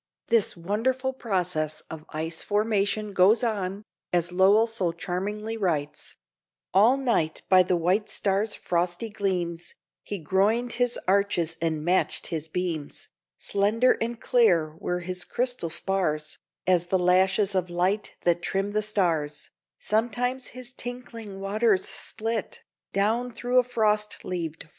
This wonderful process of ice formation goes on, as Lowell so charmingly writes: "All night by the white stars' frosty gleams He groined his arches and matched his beams; Slender and clear were his crystal spars As the lashes of light that trim the stars; Sometimes his tinkling waters slipt Down through a frost leaved forest crypt."